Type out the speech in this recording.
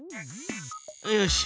よし！